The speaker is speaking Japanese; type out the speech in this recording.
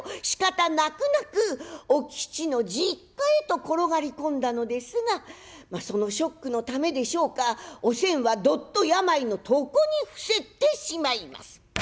しかたなくなくお吉の実家へと転がり込んだのですがそのショックのためでしょうかおせんはどっと病の床に伏せってしまいます。